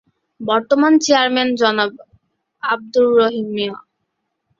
বর্তমান চেয়ারম্যান- জনাব আঃ রহিম মিয়া।